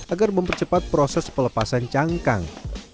agar mempercepat proses pelepasan cangkang